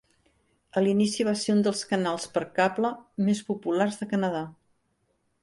A l'inici va ser un dels canals per cable més populars de Canadà.